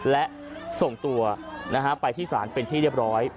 และส่งตัวไปที่ศาลเป็นที่เรียบร้อย